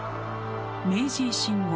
明治維新後